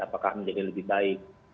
apakah menjadi lebih baik